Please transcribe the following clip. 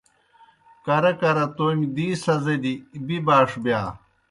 کرہ کرہ تومیْ دی سزِدیْ بِبَاݜ بِیا۔